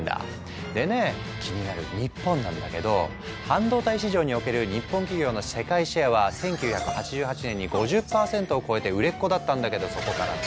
でね気になる日本なんだけど半導体市場における日本企業の世界シェアは１９８８年に５０％を超えて売れっ子だったんだけどそこから低迷。